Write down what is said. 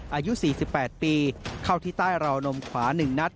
อายุ๔๘ปีเข้าที่ใต้ราวนมขวา๑นัด